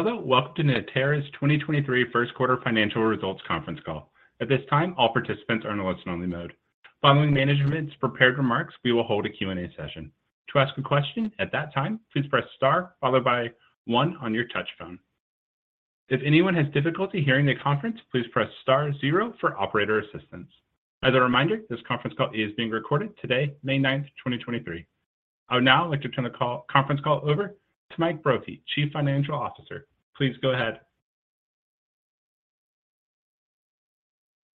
Hello, welcome to Natera's 2023 first quarter financial results conference call. At this time, all participants are in a listen only mode. Following management's prepared remarks, we will hold a Q&A session. To ask a question at that time, please press star followed by 1 on your touch-tone. If anyone has difficulty hearing the conference, please press star 0 for operator assistance. As a reminder, this conference call is being recorded today, May 9th, 2023. I would now like to turn the conference call over to Mike Brophy, Chief Financial Officer. Please go ahead.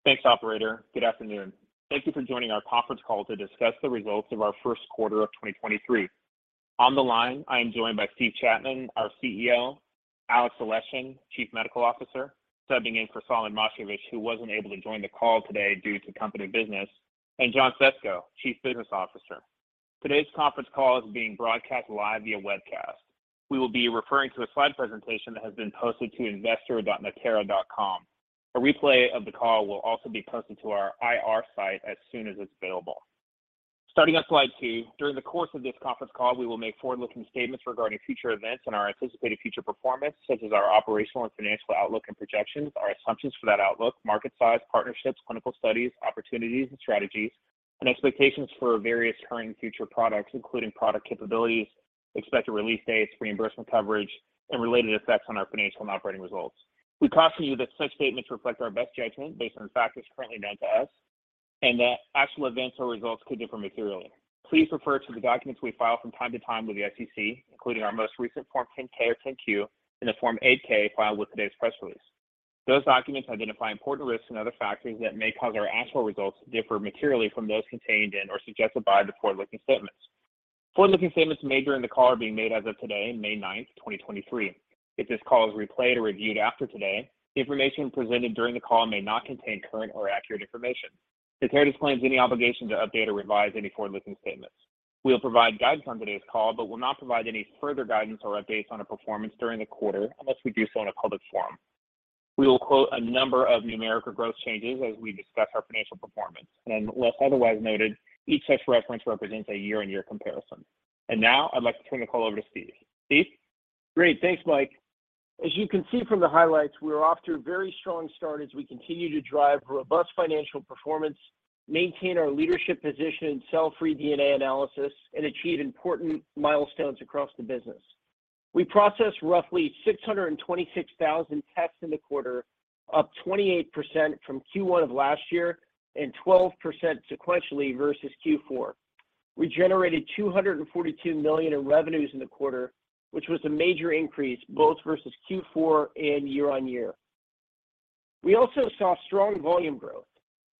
Thanks, operator. Good afternoon. Thank you for joining our conference call to discuss the results of our first quarter of 2023. On the line, I am joined by Steve Chapman, our CEO, Alexey Aleshin, Chief Medical Officer, subbing in for Solomon Moshkevich, who wasn't able to join the call today due to company business, and John Fesko, Chief Business Officer. Today's conference call is being broadcast live via webcast. We will be referring to a slide presentation that has been posted to investor.natera.com. A replay of the call will also be posted to our IR site as soon as it's available. Starting on slide 2, during the course of this conference call, we will make forward-looking statements regarding future events and our anticipated future performance, such as our operational and financial outlook and projections, our assumptions for that outlook, market size, partnerships, clinical studies, opportunities and strategies, and expectations for various current and future products, including product capabilities, expected release dates, reimbursement coverage, and related effects on our financial and operating results. We caution you that such statements reflect our best judgment based on the factors currently known to us, and that actual events or results could differ materially. Please refer to the documents we file from time to time with the SEC, including our most recent Form 10-K or Form 10-Q, and the Form 8-K filed with today's press release. Those documents identify important risks and other factors that may cause our actual results to differ materially from those contained in or suggested by the forward-looking statements. Forward-looking statements made during the call are being made as of today, May 9, 2023. If this call is replayed or reviewed after today, the information presented during the call may not contain current or accurate information. Natera disclaims any obligation to update or revise any forward-looking statements. We will provide guidance on today's call, will not provide any further guidance or updates on our performance during the quarter unless we do so in a public forum. We will quote a number of numeric or growth changes as we discuss our financial performance, Unless otherwise noted, each such reference represents a year-over-year comparison. Now I'd like to turn the call over to Steve. Steve? Great. Thanks, Mike. As you can see from the highlights, we're off to a very strong start as we continue to drive robust financial performance, maintain our leadership position in cell-free DNA analysis, and achieve important milestones across the business. We processed roughly 626,000 tests in the quarter, up 28% from Q1 of last year and 12% sequentially versus Q4. We generated $242 million in revenues in the quarter, which was a major increase both versus Q4 and year-on-year. We also saw strong volume growth.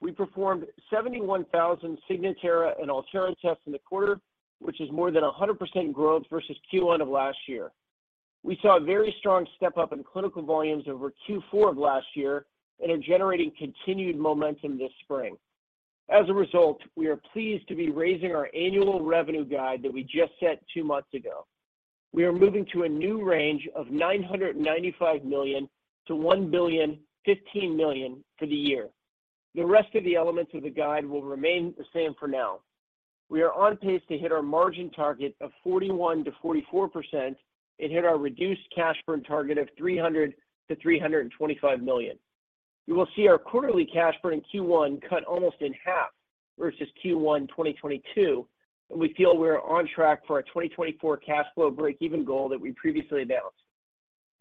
We performed 71,000 Signatera and Altera tests in the quarter, which is more than 100% growth versus Q1 of last year. We saw a very strong step-up in clinical volumes over Q4 of last year and are generating continued momentum this spring. As a result, we are pleased to be raising our annual revenue guide that we just set two months ago. We are moving to a new range of $995 million-$1,015 million for the year. The rest of the elements of the guide will remain the same for now. We are on pace to hit our margin target of 41%-44% and hit our reduced cash burn target of $300 million-$325 million. You will see our quarterly cash burn in Q1 cut almost in half versus Q1 2022, and we feel we are on track for our 2024 cash flow breakeven goal that we previously announced.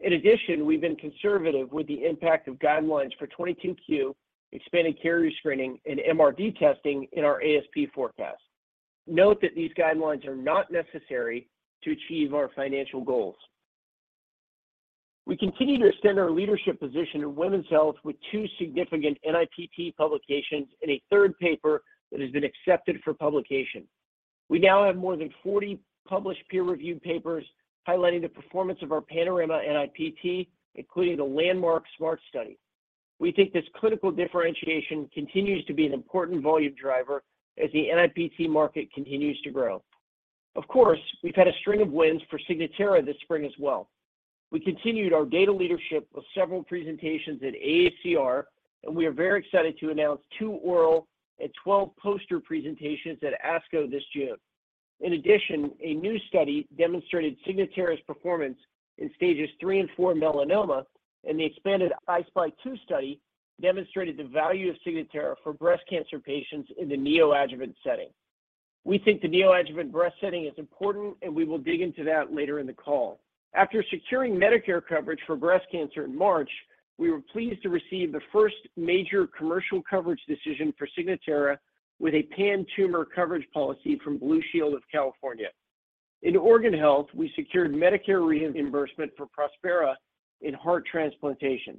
In addition, we've been conservative with the impact of guidelines for 22q, expanded carrier screening, and MRD testing in our ASP forecast. Note that these guidelines are not necessary to achieve our financial goals. We continue to extend our leadership position in women's health with two significant NIPT publications and a third paper that has been accepted for publication. We now have more than 40 published peer-reviewed papers highlighting the performance of our Panorama NIPT, including the landmark SMART study. We think this clinical differentiation continues to be an important volume driver as the NIPT market continues to grow. We've had a string of wins for Signatera this spring as well. We continued our data leadership with several presentations at AACR, and we are very excited to announce two oral and 12 poster presentations at ASCO this June. A new study demonstrated Signatera's performance in stages 3 and 4 melanoma, and the expanded I-SPY 2 study demonstrated the value of Signatera for breast cancer patients in the neoadjuvant setting. We think the neoadjuvant breast setting is important, and we will dig into that later in the call. After securing Medicare coverage for breast cancer in March, we were pleased to receive the first major commercial coverage decision for Signatera with a pan-tumor coverage policy from Blue Shield of California. In organ health, we secured Medicare reimbursement for Prospera in heart transplantation.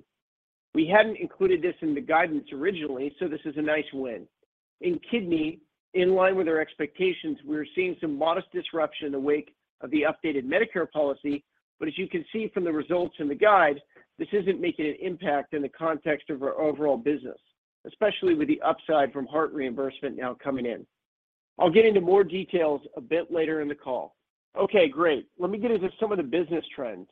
We hadn't included this in the guidance originally, so this is a nice win. In kidney, in line with our expectations, we are seeing some modest disruption in the wake of the updated Medicare policy. As you can see from the results in the guide, this isn't making an impact in the context of our overall business, especially with the upside from heart reimbursement now coming in. I'll get into more details a bit later in the call. Great. Let me get into some of the business trends.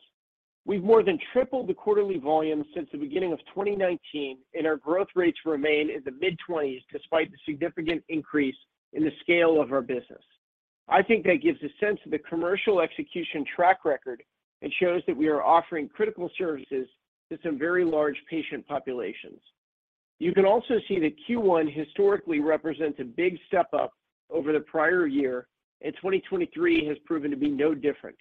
We've more than tripled the quarterly volume since the beginning of 2019, and our growth rates remain in the mid-20s despite the significant increase in the scale of our business. I think that gives a sense of the commercial execution track record and shows that we are offering critical services to some very large patient populations. You can also see that Q1 historically represents a big step up over the prior year, and 2023 has proven to be no different.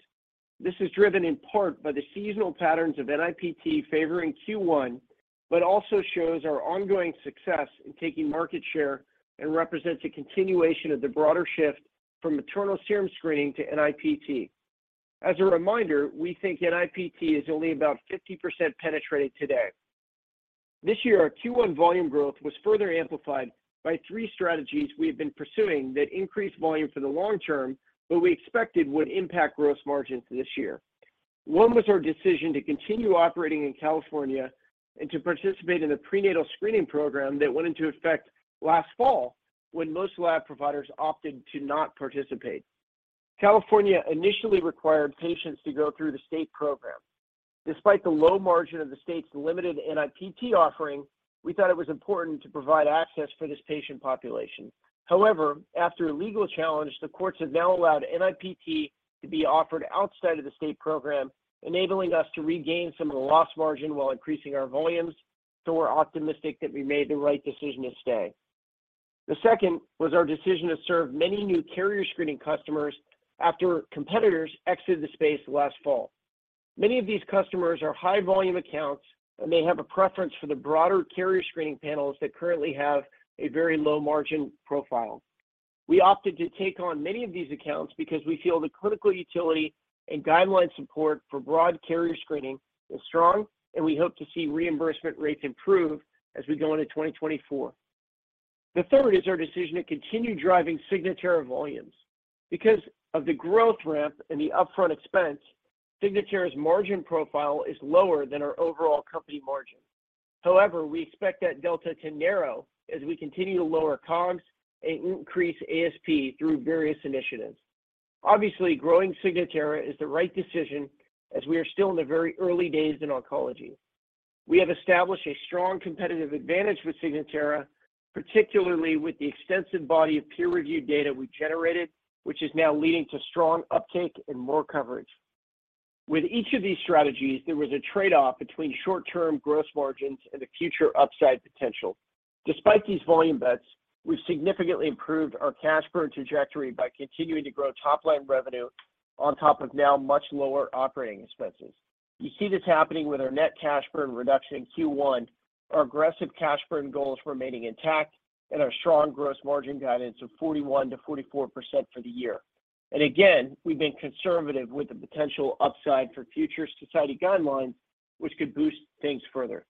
This is driven in part by the seasonal patterns of NIPT favoring Q1, but also shows our ongoing success in taking market share and represents a continuation of the broader shift from maternal serum screening to NIPT. As a reminder, we think NIPT is only about 50% penetrated today. This year, our Q1 volume growth was further amplified by three strategies we have been pursuing that increase volume for the long term, but we expected would impact gross margins this year. One was our decision to continue operating in California and to participate in the prenatal screening program that went into effect last fall when most lab providers opted to not participate. California initially required patients to go through the state program. Despite the low margin of the state's limited NIPT offering, we thought it was important to provide access for this patient population. After a legal challenge, the courts have now allowed NIPT to be offered outside of the state program, enabling us to regain some of the lost margin while increasing our volumes, so we're optimistic that we made the right decision to stay. The second was our decision to serve many new carrier screening customers after competitors exited the space last fall. Many of these customers are high-volume accounts, and they have a preference for the broader carrier screening panels that currently have a very low-margin profile. We opted to take on many of these accounts because we feel the clinical utility and guideline support for broad carrier screening is strong, and we hope to see reimbursement rates improve as we go into 2024. The third is our decision to continue driving Signatera volumes. Because of the growth ramp and the upfront expense, Signatera's margin profile is lower than our overall company margin. However, we expect that delta to narrow as we continue to lower COGS and increase ASP through various initiatives. Obviously, growing Signatera is the right decision as we are still in the very early days in oncology. We have established a strong competitive advantage with Signatera, particularly with the extensive body of peer-reviewed data we generated, which is now leading to strong uptake and more coverage. With each of these strategies, there was a trade-off between short-term gross margins and the future upside potential. Despite these volume bets, we've significantly improved our cash burn trajectory by continuing to grow top-line revenue on top of now much lower operating expenses. You see this happening with our net cash burn reduction in Q1, our aggressive cash burn goals remaining intact, and our strong gross margin guidance of 41%-44% for the year. Again, we've been conservative with the potential upside for future society guidelines, which could boost things further.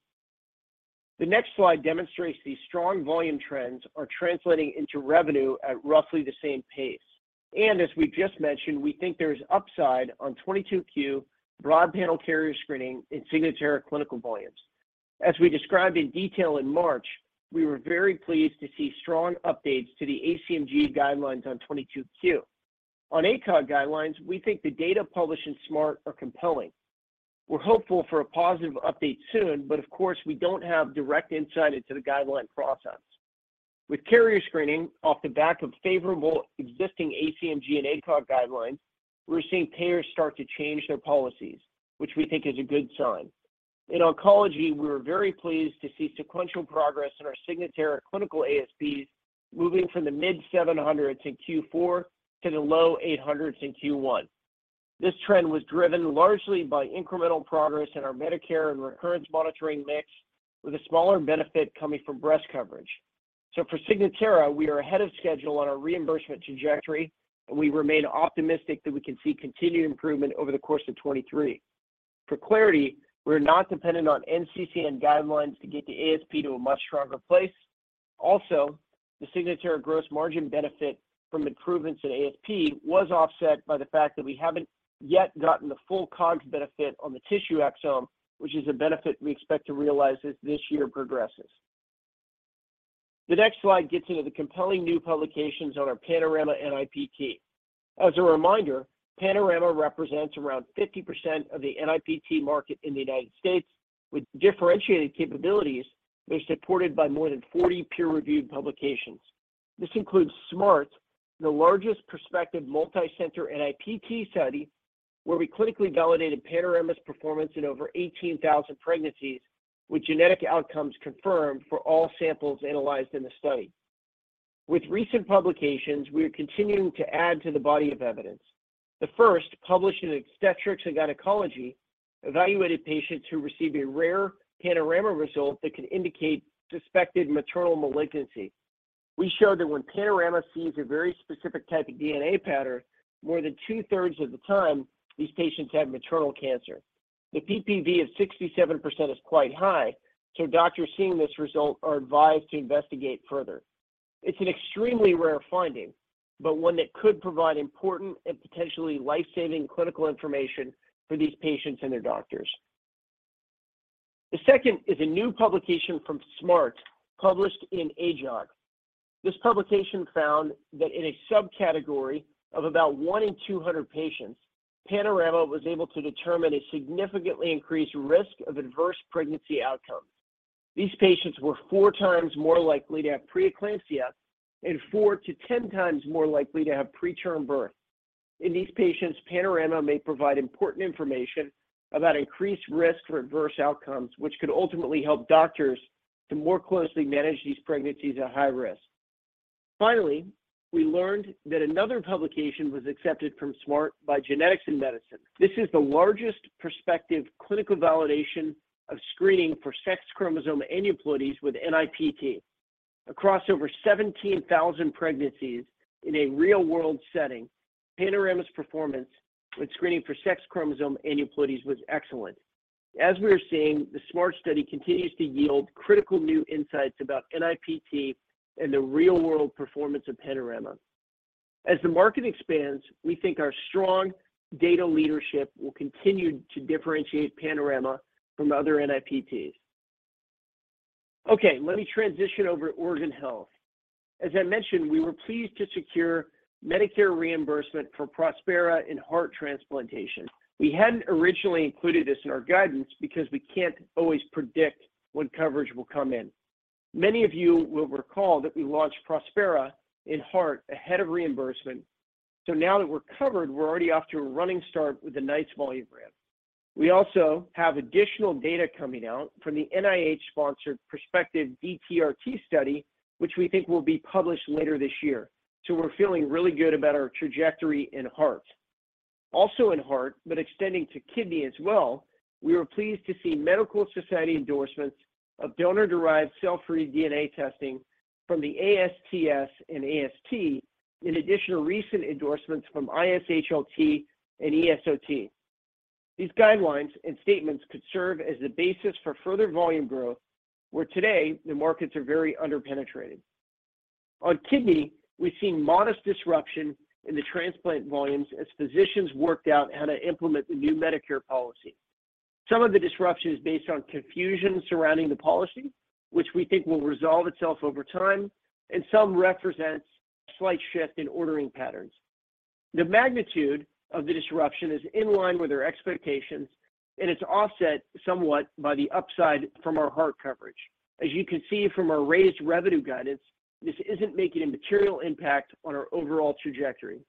The next slide demonstrates these strong volume trends are translating into revenue at roughly the same pace. As we just mentioned, we think there is upside on 22q broad panel carrier screening in Signatera clinical volumes. As we described in detail in March, we were very pleased to see strong updates to the ACMG guidelines on 22q. On ACOG guidelines, we think the data published in SMART are compelling. We're hopeful for a positive update soon, of course, we don't have direct insight into the guideline process. With carrier screening off the back of favorable existing ACMG and ACOG guidelines, we're seeing payers start to change their policies, which we think is a good sign. In oncology, we were very pleased to see sequential progress in our Signatera clinical ASPs moving from the mid-$700s in Q4 to the low $800s in Q1. This trend was driven largely by incremental progress in our Medicare and recurrence monitoring mix, with a smaller benefit coming from breast coverage. For Signatera, we are ahead of schedule on our reimbursement trajectory, and we remain optimistic that we can see continued improvement over the course of 2023. For clarity, we're not dependent on NCCN guidelines to get the ASP to a much stronger place. The Signatera gross margin benefit from improvements in ASP was offset by the fact that we haven't yet gotten the full COGS benefit on the tissue exome, which is a benefit we expect to realize as this year progresses. The next slide gets into the compelling new publications on our Panorama NIPT. As a reminder, Panorama represents around 50% of the NIPT market in the United States, with differentiated capabilities that are supported by more than 40 peer-reviewed publications. This includes SMART, the largest prospective multi-center NIPT study, where we clinically validated Panorama's performance in over 18,000 pregnancies, with genetic outcomes confirmed for all samples analyzed in the study. With recent publications, we are continuing to add to the body of evidence. The first, published in Obstetrics & Gynecology, evaluated patients who received a rare Panorama result that could indicate suspected maternal malignancy. We showed that when Panorama sees a very specific type of DNA pattern, more than 2/3 of the time, these patients have maternal cancer. The PPV of 67% is quite high, so doctors seeing this result are advised to investigate further. It's an extremely rare finding, but one that could provide important and potentially life-saving clinical information for these patients and their doctors. The second is a new publication from SMART, published in AJOG. This publication found that in a subcategory of about 1 in 200 patients, Panorama was able to determine a significantly increased risk of adverse pregnancy outcomes. These patients were four times more likely to have preeclampsia and 4-10 times more likely to have preterm birth. In these patients, Panorama may provide important information about increased risk for adverse outcomes, which could ultimately help doctors to more closely manage these pregnancies at high risk. Finally, we learned that another publication was accepted from SMART by Genetics in Medicine. This is the largest prospective clinical validation of screening for sex chromosome aneuploidies with NIPT. Across over 17,000 pregnancies in a real-world setting, Panorama's performance when screening for sex chromosome aneuploidies was excellent. As we are seeing, the SMART study continues to yield critical new insights about NIPT and the real-world performance of Panorama. As the market expands, we think our strong data leadership will continue to differentiate Panorama from other NIPTs. Okay, let me transition over to organ health. As I mentioned, we were pleased to secure Medicare reimbursement for Prospera in heart transplantation. We hadn't originally included this in our guidance because we can't always predict when coverage will come in. Many of you will recall that we launched Prospera in heart ahead of reimbursement, so now that we're covered, we're already off to a running start with a nice volume ramp. We also have additional data coming out from the NIH-sponsored prospective DTRT study, which we think will be published later this year, so we're feeling really good about our trajectory in heart. Also in heart, but extending to kidney as well, we were pleased to see medical society endorsements of donor-derived cell-free DNA testing from the ASTS and AST, in addition to recent endorsements from ISHLT and ESOT. These guidelines and statements could serve as the basis for further volume growth, where today the markets are very underpenetrated. On kidney, we've seen modest disruption in the transplant volumes as physicians worked out how to implement the new Medicare policy. Some of the disruption is based on confusion surrounding the policy, which we think will resolve itself over time. Some represents a slight shift in ordering patterns. The magnitude of the disruption is in line with our expectations. It's offset somewhat by the upside from our heart coverage. As you can see from our raised revenue guidance, this isn't making a material impact on our overall trajectory.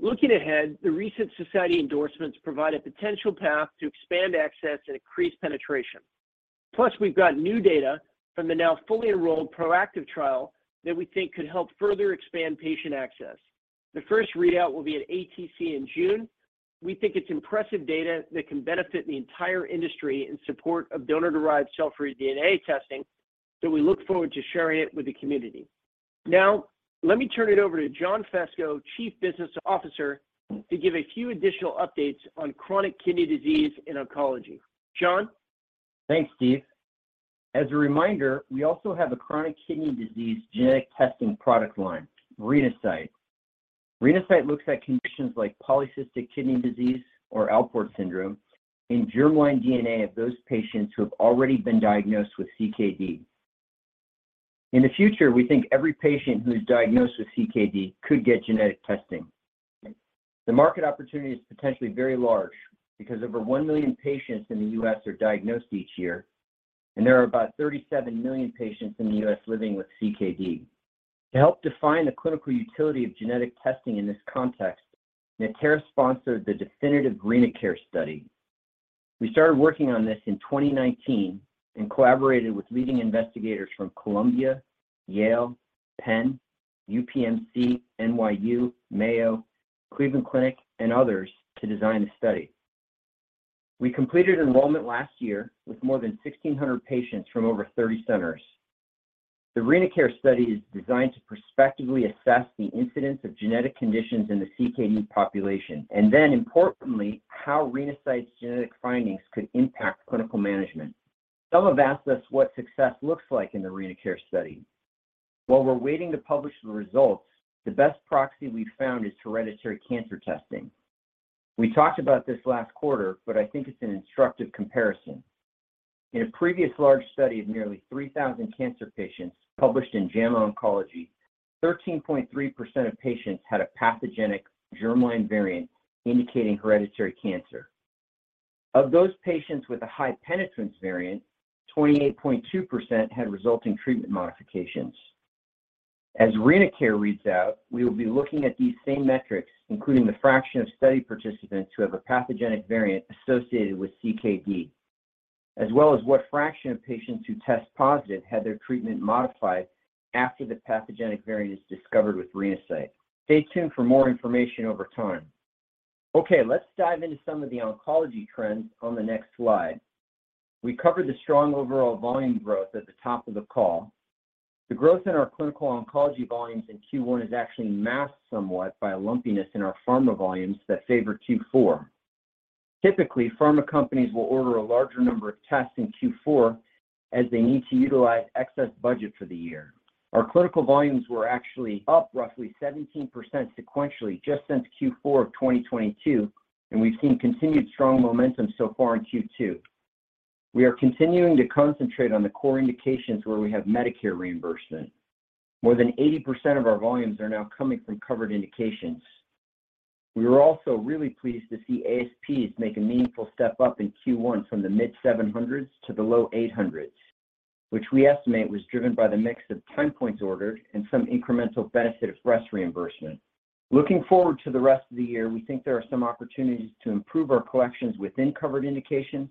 Looking ahead, the recent society endorsements provide a potential path to expand access and increase penetration. We've got new data from the now fully enrolled ProActive trial that we think could help further expand patient access. The first readout will be at ATC in June. We think it's impressive data that can benefit the entire industry in support of donor-derived cell-free DNA testing. We look forward to sharing it with the community. Now, let me turn it over to John Fesko, Chief Business Officer, to give a few additional updates on chronic kidney disease and oncology. John? Thanks, Steve. As a reminder, we also have a chronic kidney disease genetic testing product line, Renasight. Renasight looks at conditions like polycystic kidney disease or Alport syndrome in germline DNA of those patients who have already been diagnosed with CKD. In the future, we think every patient who is diagnosed with CKD could get genetic testing. The market opportunity is potentially very large because over 1 million patients in the U.S. are diagnosed each year, and there are about 37 million patients in the U.S. living with CKD. To help define the clinical utility of genetic testing in this context, Natera sponsored the definitive RenaCARE study. We started working on this in 2019 and collaborated with leading investigators from Columbia, Yale, Penn, UPMC, NYU, Mayo, Cleveland Clinic, and others to design the study. We completed enrollment last year with more than 1,600 patients from over 30 centers. The RenaCARE study is designed to prospectively assess the incidence of genetic conditions in the CKD population, and then importantly, how Renasight's genetic findings could impact clinical management. Some have asked us what success looks like in the RenaCARE study. While we're waiting to publish the results, the best proxy we've found is hereditary cancer testing. We talked about this last quarter, but I think it's an instructive comparison. In a previous large study of nearly 3,000 cancer patients published in JAMA Oncology, 13.3% of patients had a pathogenic germline variant indicating hereditary cancer. Of those patients with a high-penetrance variant, 28.2% had resulting treatment modifications. As RenaCARE study reads out, we will be looking at these same metrics, including the fraction of study participants who have a pathogenic variant associated with CKD, as well as what fraction of patients who test positive had their treatment modified after the pathogenic variant is discovered with Renasight. Stay tuned for more information over time. Okay, let's dive into some of the oncology trends on the next slide. We covered the strong overall volume growth at the top of the call. The growth in our clinical oncology volumes in Q1 is actually masked somewhat by a lumpiness in our pharma volumes that favor Q4. Typically, pharma companies will order a larger number of tests in Q4 as they need to utilize excess budget for the year. Our clinical volumes were actually up roughly 17% sequentially just since Q4 of 2022. We've seen continued strong momentum so far in Q2. We are continuing to concentrate on the core indications where we have Medicare reimbursement. More than 80% of our volumes are now coming from covered indications. We were also really pleased to see ASPs make a meaningful step up in Q1 from the mid-$700s to the low $800s, which we estimate was driven by the mix of time points ordered and some incremental benefit of breast reimbursement. Looking forward to the rest of the year, we think there are some opportunities to improve our collections within covered indications,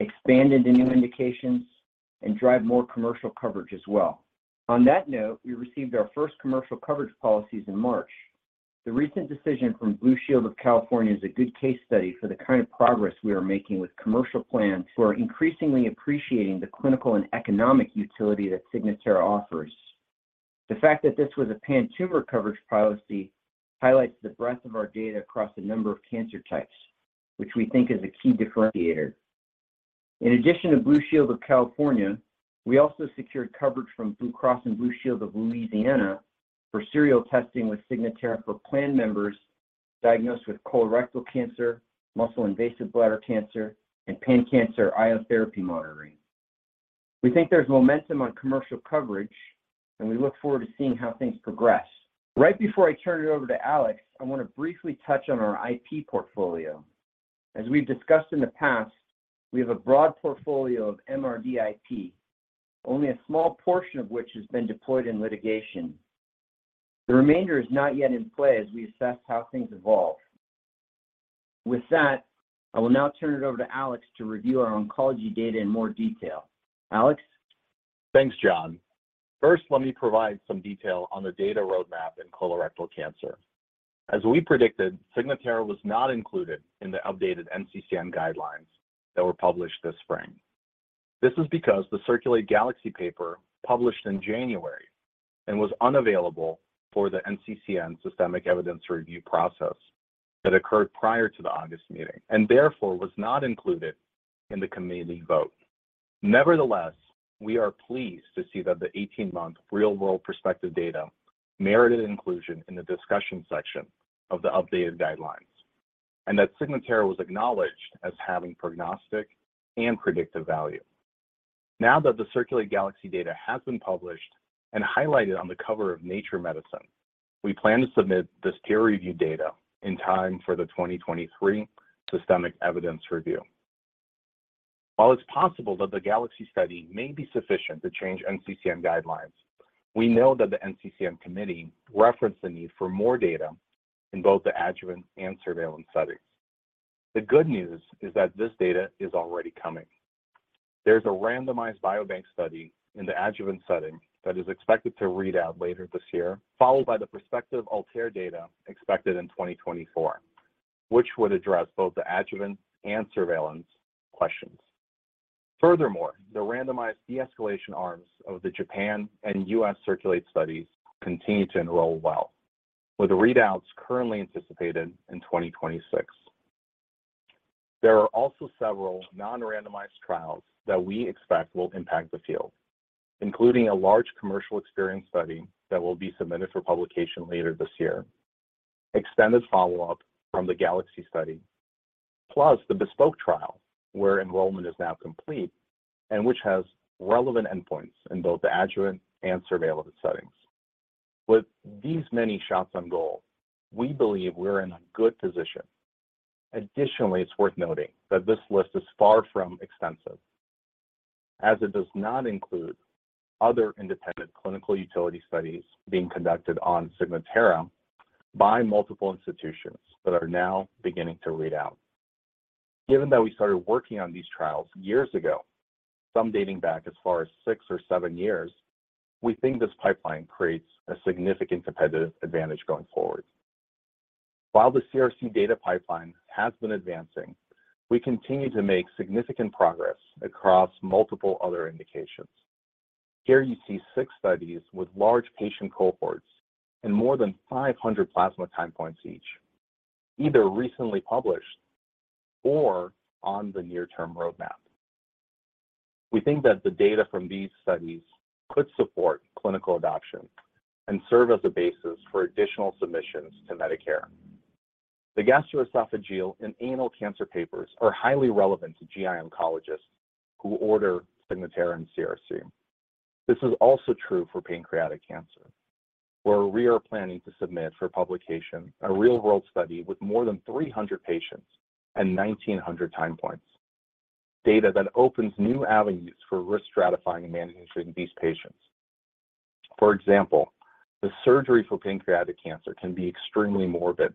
expand into new indications, and drive more commercial coverage as well. On that note, we received our first commercial coverage policies in March. The recent decision from Blue Shield of California is a good case study for the kind of progress we are making with commercial plans, who are increasingly appreciating the clinical and economic utility that Signatera offers. The fact that this was a pan-tumor coverage policy highlights the breadth of our data across a number of cancer types, which we think is a key differentiator. In addition to Blue Shield of California, we also secured coverage from Blue Cross and Blue Shield of Louisiana for serial testing with Signatera for plan members diagnosed with colorectal cancer, muscle-invasive bladder cancer, and pan-cancer IO therapy monitoring. We think there's momentum on commercial coverage, and we look forward to seeing how things progress. Right before I turn it over to Alex, I want to briefly touch on our IP portfolio. As we've discussed in the past, we have a broad portfolio of MRD IP, only a small portion of which has been deployed in litigation. The remainder is not yet in play as we assess how things evolve. With that, I will now turn it over to Alex to review our oncology data in more detail. Alex? Thanks, John. First, let me provide some detail on the data roadmap in colorectal cancer. As we predicted, Signatera was not included in the updated NCCN guidelines that were published this spring. This is because the Circulate GALAXY paper published in January and was unavailable for the NCCN systemic evidence review process that occurred prior to the August meeting, and therefore was not included in the committee vote. Nevertheless, we are pleased to see that the 18-month real-world perspective data merited inclusion in the discussion section of the updated guidelines, and that Signatera was acknowledged as having prognostic and predictive value. Now that the Circulate GALAXY data has been published and highlighted on the cover of Nature Medicine, we plan to submit this peer-reviewed data in time for the 2023 systemic evidence review. While it's possible that the GALAXY study may be sufficient to change NCCN guidelines, we know that the NCCN committee referenced the need for more data in both the adjuvant and surveillance settings. The good news is that this data is already coming. There's a randomized biobank study in the adjuvant setting that is expected to read out later this year, followed by the prospective ALTAIR data expected in 2024, which would address both the adjuvant and surveillance questions. Furthermore, the randomized de-escalation arms of the CIRCULATE-Japan and U.S. Circulate studies continue to enroll well, with the readouts currently anticipated in 2026. There are also several non-randomized trials that we expect will impact the field, including a large commercial experience study that will be submitted for publication later this year, extended follow-up from the GALAXY study, plus the Bespoke trial, where enrollment is now complete and which has relevant endpoints in both the adjuvant and surveillance settings. With these many shots on goal, we believe we're in a good position. Additionally, it's worth noting that this list is far from extensive, as it does not include other independent clinical utility studies being conducted on Signatera by multiple institutions that are now beginning to read out. Given that we started working on these trials years ago, some dating back as far as six or seven years, we think this pipeline creates a significant competitive advantage going forward. While the CRC data pipeline has been advancing, we continue to make significant progress across multiple other indications. Here you see 6 studies with large patient cohorts and more than 500 plasma time points each, either recently published or on the near-term roadmap. We think that the data from these studies could support clinical adoption and serve as a basis for additional submissions to Medicare. The gastroesophageal and anal cancer papers are highly relevant to GI oncologists who order Signatera and CRC. This is also true for pancreatic cancer, where we are planning to submit for publication a real-world study with more than 300 patients and 1,900 time points, data that opens new avenues for risk stratifying and managing these patients. For example, the surgery for pancreatic cancer can be extremely morbid,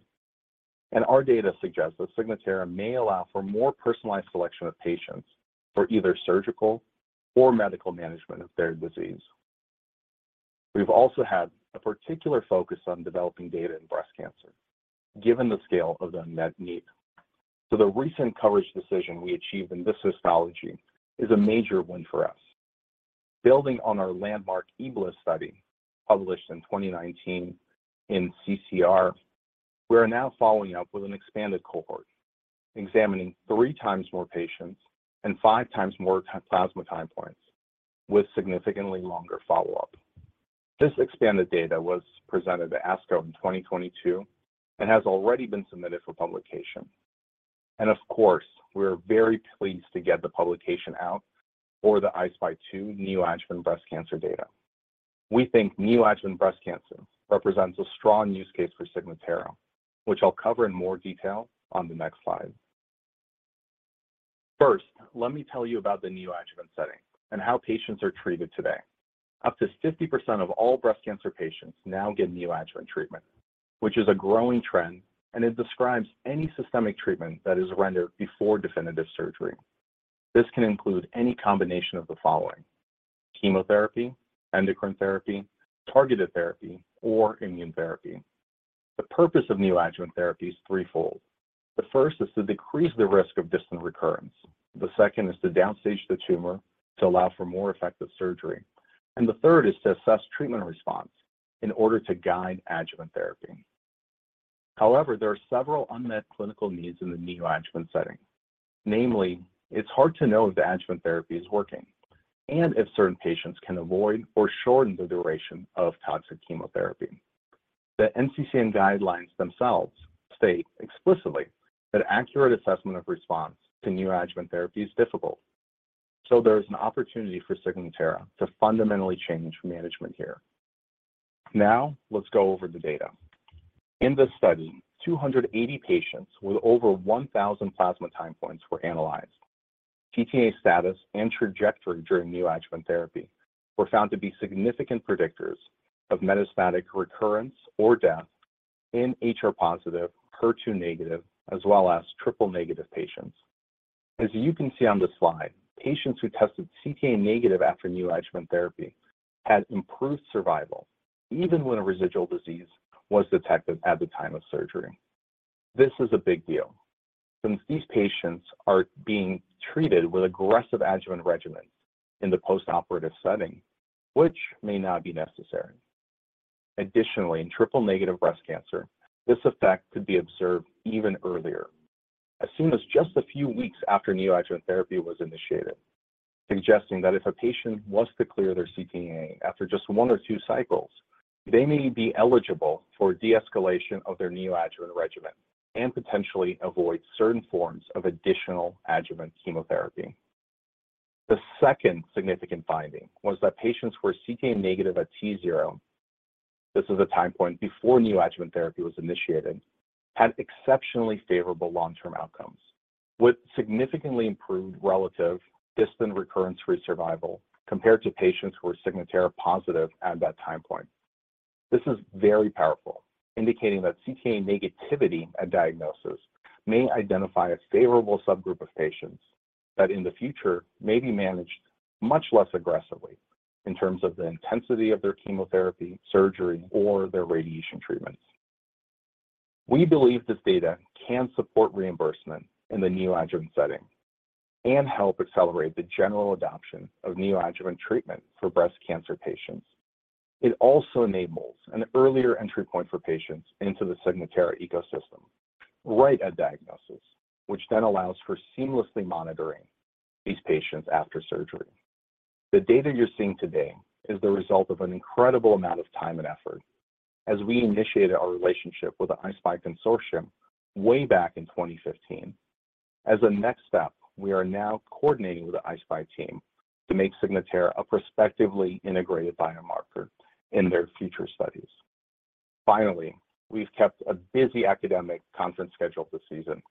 and our data suggests that Signatera may allow for more personalized selection of patients for either surgical or medical management of their disease. We've also had a particular focus on developing data in breast cancer, given the scale of the unmet need. The recent coverage decision we achieved in this histology is a major win for us. Building on our landmark EBLA study, published in 2019 in CCR, we are now following up with an expanded cohort, examining 3 times more patients and 5 times more plasma time points with significantly longer follow-up. This expanded data was presented to ASCO in 2022 and has already been submitted for publication. Of course, we are very pleased to get the publication out for the I-SPY 2 neoadjuvant breast cancer data. We think neoadjuvant breast cancer represents a strong use case for Signatera, which I'll cover in more detail on the next slide. First, let me tell you about the neoadjuvant setting and how patients are treated today. Up to 50% of all breast cancer patients now get neoadjuvant treatment, which is a growing trend, and it describes any systemic treatment that is rendered before definitive surgery. This can include any combination of the following: chemotherapy, endocrine therapy, targeted therapy, or immune therapy. The purpose of neoadjuvant therapy is threefold. The first is to decrease the risk of distant recurrence. The second is to downstage the tumor to allow for more effective surgery. The third is to assess treatment response in order to guide adjuvant therapy. However, there are several unmet clinical needs in the neoadjuvant setting. Namely, it's hard to know if the adjuvant therapy is working and if certain patients can avoid or shorten the duration of toxic chemotherapy. The NCCN guidelines themselves state explicitly that accurate assessment of response to neoadjuvant therapy is difficult. There is an opportunity for Signatera to fundamentally change management here. Let's go over the data. In this study, 280 patients with over 1,000 plasma time points were analyzed. ctDNA status and trajectory during neoadjuvant therapy were found to be significant predictors of metastatic recurrence or death in HR-positive, HER2-negative, as well as triple-negative patients. As you can see on the slide, patients who tested ctDNA negative after neoadjuvant therapy had improved survival even when a residual disease was detected at the time of surgery. This is a big deal since these patients are being treated with aggressive adjuvant regimens in the postoperative setting, which may not be necessary. In triple-negative breast cancer, this effect could be observed even earlier, as soon as just a few weeks after neoadjuvant therapy was initiated, suggesting that if a patient was to clear their ctDNA after just one or two cycles, they may be eligible for de-escalation of their neoadjuvant regimen and potentially avoid certain forms of additional adjuvant chemotherapy. The second significant finding was that patients who were ctDNA negative at T0, this is a time point before neoadjuvant therapy was initiated, had exceptionally favorable long-term outcomes with significantly improved relative distant recurrence-free survival compared to patients who were Signatera positive at that time point. This is very powerful, indicating that ctDNA negativity at diagnosis may identify a favorable subgroup of patients that in the future may be managed much less aggressively in terms of the intensity of their chemotherapy, surgery, or their radiation treatments. We believe this data can support reimbursement in the neoadjuvant setting and help accelerate the general adoption of neoadjuvant treatment for breast cancer patients. It also enables an earlier entry point for patients into the Signatera ecosystem right at diagnosis, which then allows for seamlessly monitoring these patients after surgery. The data you're seeing today is the result of an incredible amount of time and effort as we initiated our relationship with the I-SPY consortium way back in 2015. As a next step, we are now coordinating with the I-SPY team to make Signatera a prospectively integrated biomarker in their future studies. Finally, we've kept a busy academic conference schedule this season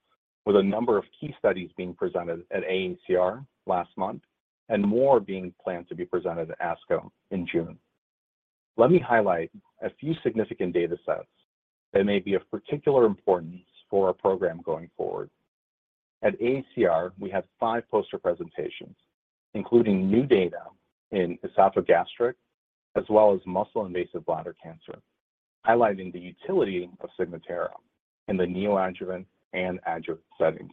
with a number of key studies being presented at AACR last month and more being planned to be presented at ASCO in June. Let me highlight a few significant data sets that may be of particular importance for our program going forward. At AACR, we had 5 poster presentations, including new data in esophagogastric as well as muscle-invasive bladder cancer, highlighting the utility of Signatera in the neoadjuvant and adjuvant settings.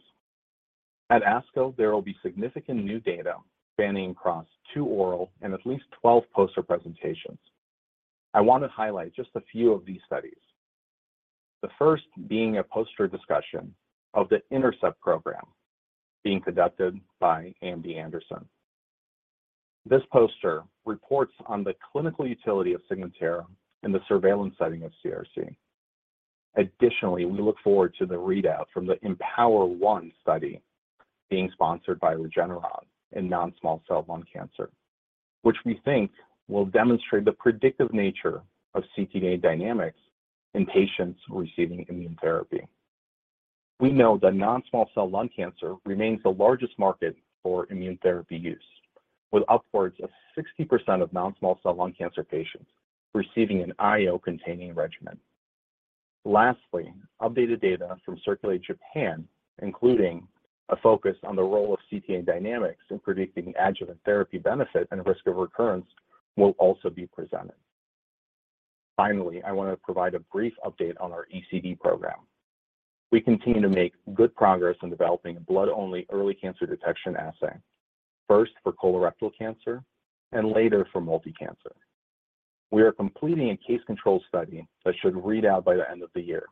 At ASCO, there will be significant new data spanning across 2 oral and at least 12 poster presentations. I want to highlight just a few of these studies. The first being a poster discussion of the INTERCEPT program being conducted by MD Anderson. This poster reports on the clinical utility of Signatera in the surveillance setting of CRC. We look forward to the readout from the EMPOWER-1 study being sponsored by Regeneron in non-small-cell lung cancer, which we think will demonstrate the predictive nature of ctDNA dynamics in patients receiving immune therapy. We know that non-small-cell lung cancer remains the largest market for immune therapy use, with upwards of 60% of non-small-cell lung cancer patients receiving an IO-containing regimen. Updated data from CIRCULATE-Japan, including a focus on the role of ctDNA dynamics in predicting adjuvant therapy benefit and risk of recurrence, will also be presented. I want to provide a brief update on our ECD program. We continue to make good progress in developing a blood-only early cancer detection assay, first for colorectal cancer and later for multi-cancer. We are completing a case control study that should read out by the end of the year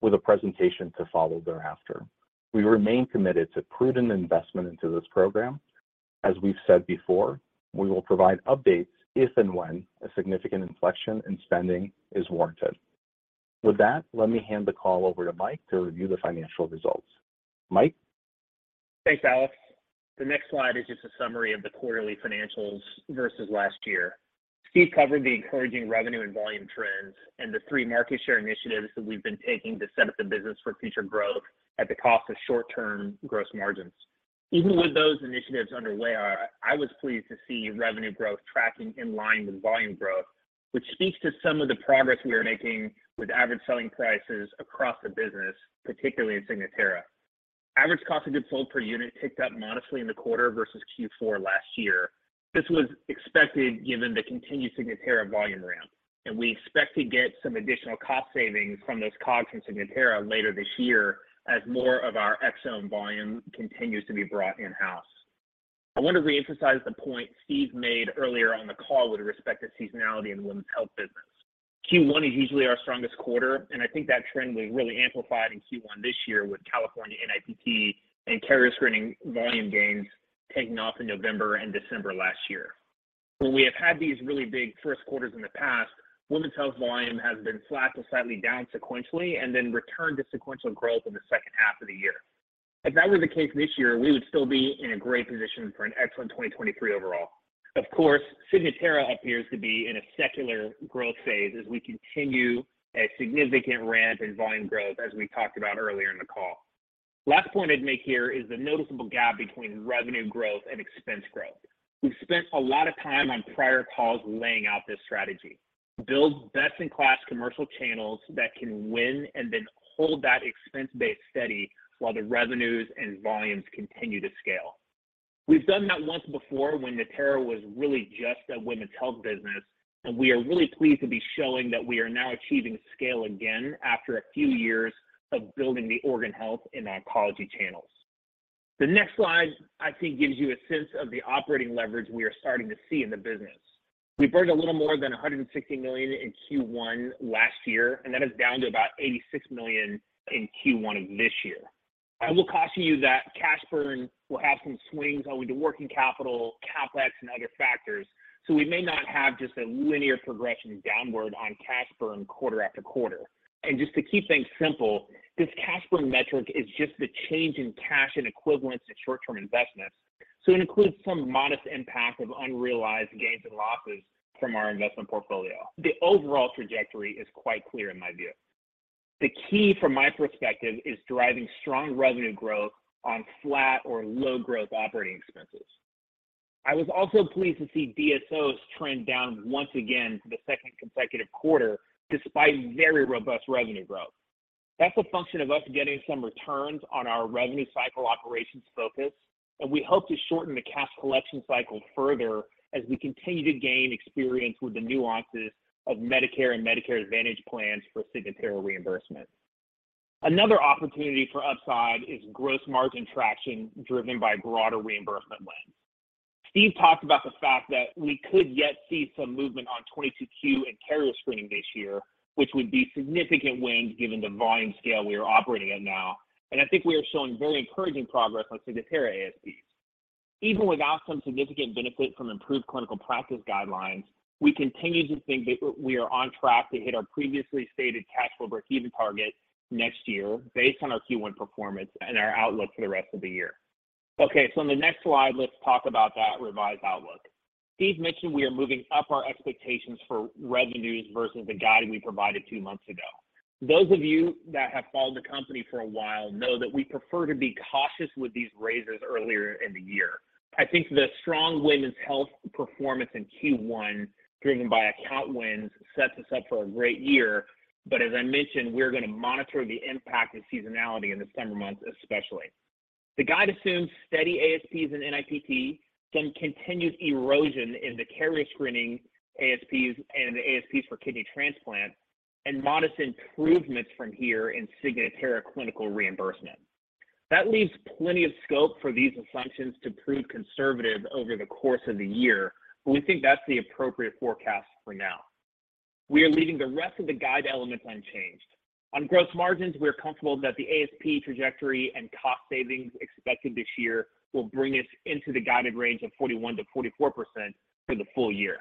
with a presentation to follow thereafter. We remain committed to prudent investment into this program. As we've said before, we will provide updates if and when a significant inflection in spending is warranted. With that, let me hand the call over to Mike to review the financial results. Mike? Thanks, Alex. The next slide is just a summary of the quarterly financials versus last year. Steve covered the encouraging revenue and volume trends and the three market share initiatives that we've been taking to set up the business for future growth at the cost of short-term gross margins. Even with those initiatives underway, I was pleased to see revenue growth tracking in line with volume growth, which speaks to some of the progress we are making with average selling prices across the business, particularly in Signatera. Average cost of goods sold per unit ticked up modestly in the quarter versus Q4 last year. This was expected given the continued Signatera volume ramp, and we expect to get some additional cost savings from those COGS in Signatera later this year as more of our exome volume continues to be brought in-house. I want to reemphasize the point Steve made earlier on the call with respect to seasonality in the women's health business. Q1 is usually our strongest quarter. I think that trend was really amplified in Q1 this year with California NIPT and carrier screening volume gains taking off in November and December last year. When we have had these really big first quarters in the past, women's health volume has been flat to slightly down sequentially and then returned to sequential growth in the second half of the year. If that were the case this year, we would still be in a great position for an excellent 2023 overall. Of course, Signatera appears to be in a secular growth phase as we continue a significant ramp in volume growth, as we talked about earlier in the call. Last point I'd make here is the noticeable gap between revenue growth and expense growth. We've spent a lot of time on prior calls laying out this strategy. Build best-in-class commercial channels that can win and then hold that expense base steady while the revenues and volumes continue to scale. We've done that once before when Natera was really just a women's health business, and we are really pleased to be showing that we are now achieving scale again after a few years of building the organ health and oncology channels. The next slide I think gives you a sense of the operating leverage we are starting to see in the business. We burned a little more than $160 million in Q1 last year, that is down to about $86 million in Q1 of this year. I will caution you that cash burn will have some swings owing to working capital, CapEx, and other factors, so we may not have just a linear progression downward on cash burn quarter after quarter. Just to keep things simple, this cash burn metric is just the change in cash and equivalents to short-term investments, so it includes some modest impact of unrealized gains and losses from our investment portfolio. The overall trajectory is quite clear in my view. The key from my perspective is driving strong revenue growth on flat or low growth operating expenses. I was also pleased to see DSOs trend down once again for the second consecutive quarter despite very robust revenue growth. That's a function of us getting some returns on our revenue cycle operations focus. We hope to shorten the cash collection cycle further as we continue to gain experience with the nuances of Medicare and Medicare Advantage plans for Signatera reimbursement. Another opportunity for upside is gross margin traction driven by broader reimbursement lens. Steve talked about the fact that we could yet see some movement on 22q and carrier screening this year, which would be significant wins given the volume scale we are operating at now. I think we are showing very encouraging progress on Signatera ASPs. Even without some significant benefit from improved clinical practice guidelines, we continue to think that we are on track to hit our previously stated cash flow breakeven target next year based on our Q1 performance and our outlook for the rest of the year. On the next slide, let's talk about that revised outlook. Steve mentioned we are moving up our expectations for revenues versus the guide we provided 2 months ago. Those of you that have followed the company for a while know that we prefer to be cautious with these raises earlier in the year. I think the strong women's health performance in Q1 driven by account wins sets us up for a great year. As I mentioned, we're going to monitor the impact of seasonality in the summer months especially. The guide assumes steady ASPs in NIPT, some continued erosion in the carrier screening ASPs and the ASPs for kidney transplant, and modest improvements from here in Signatera clinical reimbursement. That leaves plenty of scope for these assumptions to prove conservative over the course of the year, we think that's the appropriate forecast for now. We are leaving the rest of the guide elements unchanged. On gross margins, we are comfortable that the ASP trajectory and cost savings expected this year will bring us into the guided range of 41%-44% for the full year.